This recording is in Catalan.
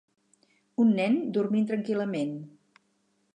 Un nen dormint tranquil·lament.